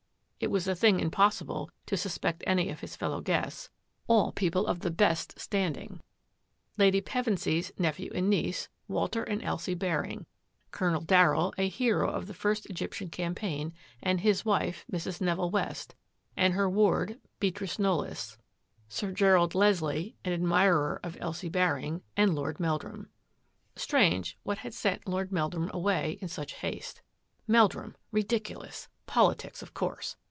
It was a thing impos sible to suspect of any of his fellow guests — all people of the best standing: Lady Pevensy's «2 THAT AFFAIR AT THE MANOR nephew and niece, Walter and Elsie Bar Colonel Darryll, a hero of the first Egyptian C paign, and his wife; Mrs. Neville West and ward, Beatrice KnoUys ; Sir Gerald Leslie, an mirer of Elsie Baring ; and Lord Meldrum. Strange what had sent Lord Meldrum awa such haste. Meldrum, ridiculous! Politics course.